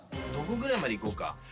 どこぐらいまで行こうか？